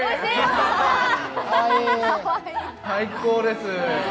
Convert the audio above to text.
最高です。